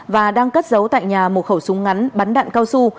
và đang cất giấu tại nhà một khẩu súng ngắn bắn đạn cao su